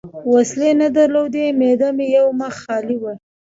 وسلې نه درلودې، معده مې یو مخ خالي وه.